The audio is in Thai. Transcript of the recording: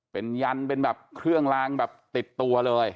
เป็นยันเป็นแบบเครื่องลางแบบติดตัวเลย